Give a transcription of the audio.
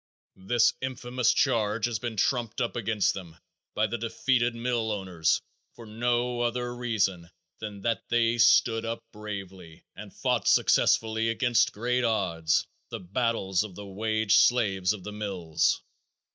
This infamous charge has been trumped up against them by the defeated mill owners for no other reason than that they stood up bravely and fought successfully against great odds, the battles of the wage slaves of the mills.